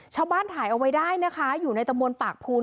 ชาวบ้านถ่ายเอาไว้ได้นะคะอยู่ในตำบลปากภูน